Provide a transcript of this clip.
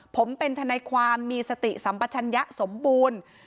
ผมเป็นทนายความมีสติสัมปัชญะสมบูรณ์